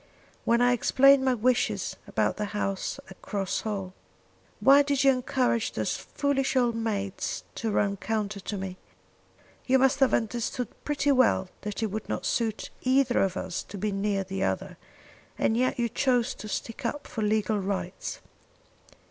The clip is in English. "When I explained my wishes about the house at Cross Hall, why did you encourage those foolish old maids to run counter to me. You must have understood pretty well that it would not suit either of us to be near the other, and yet you chose to stick up for legal rights."